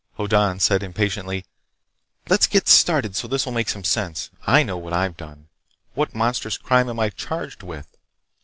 Hoddan said impatiently: "Let's get started so this will make some sense! I know what I've done. What monstrous crime am I charged with?"